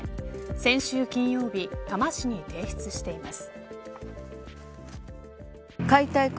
先週金曜日多摩市に提出しています。